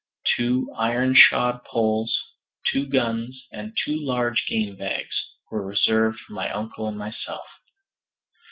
Two iron shod poles, two guns, and two large game bags, were reserved for my uncle and myself.